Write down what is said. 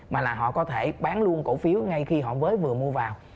mà là họ có thể bán luôn cổ phiếu ngay khi họ mới vừa mua vào